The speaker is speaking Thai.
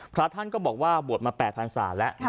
พระท่านก็บอกว่าบวชมา๘พันศาแล้ว